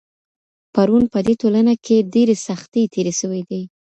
پرون په دې ټولنه کي ډېرې سختۍ تېري سوي دي.